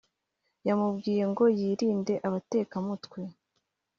yamubwiye ngo yirinde abateka mutwe